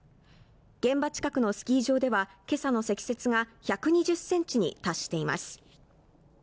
現場近くのスキー場ではけさの積雪が１２０センチに達しています